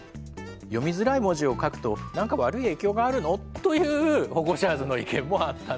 「読みづらい文字を書くと何か悪い影響があるの？」というホゴシャーズの意見もあったんですが。